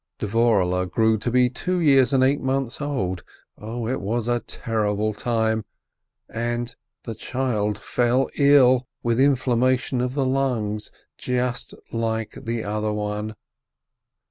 Dvorehle grew to be two years and eight months old. 0 it was a terrible time ! And — and the child fell ill, with inflammation of the lungs, just like the other one.